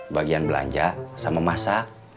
bagian belanja sama masak